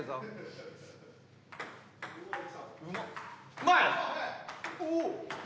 うまい！